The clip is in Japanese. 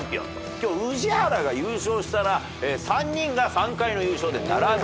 今日宇治原が優勝したら３人が３回の優勝で並ぶと。